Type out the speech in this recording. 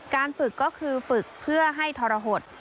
การฝึกก็คือฝึกเพื่อให้ทรหด